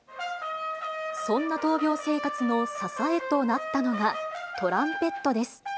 そんな闘病生活の支えとなったのが、トランペットです。